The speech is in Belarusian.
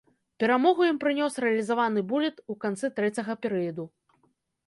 Перамогу ім прынёс рэалізаваны буліт у канцы трэцяга перыяду.